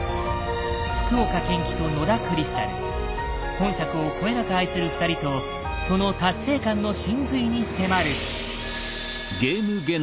本作をこよなく愛する２人とその達成感の神髄に迫る。